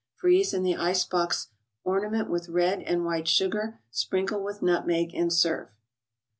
Freeze in :he ice box, ornament with red and white sugar, sprinkle with nutmeg and serve.